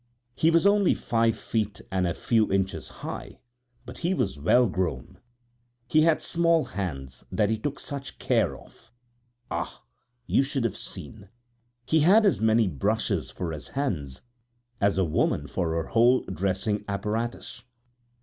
He was only five feet and a few inches high, but he was well grown; he had small hands that he took such care of; ah! you should have seen! He had as many brushes for his hands as a woman for her whole dressing apparatus!